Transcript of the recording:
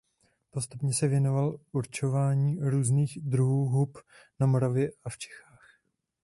Postupně se věnoval určování různých druhů hub na Moravě i v Čechách.